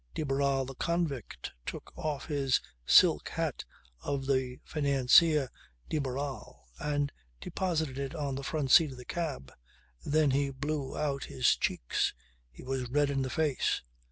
De Barral the convict took off the silk hat of the financier de Barral and deposited it on the front seat of the cab. Then he blew out his cheeks. He was red in the face.